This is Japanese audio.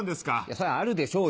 それはあるでしょうよ。